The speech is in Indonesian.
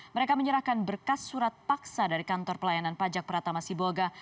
mereka menyerahkan berkas surat paksa dari kantor pelayanan pajak pratama siboga